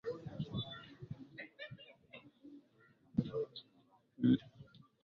Leo wanasaikolojia wengi na wachumi na kwanza kabisa